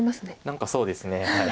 何かそうですね。